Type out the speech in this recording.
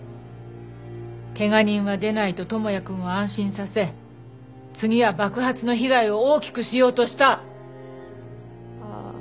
怪我人は出ないと智也くんを安心させ次は爆発の被害を大きくしようとした！